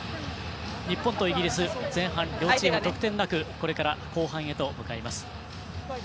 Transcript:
日本とイギリス前半、両チーム得点なくこれから後半へと向かいます。